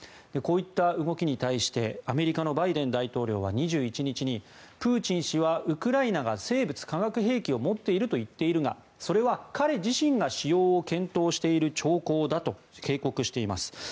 こういった動きに対してアメリカのバイデン大統領は２１日にプーチン氏はウクライナが生物・化学兵器を持っているといっているがそれは彼自身が使用を検討している兆候だと警告しています。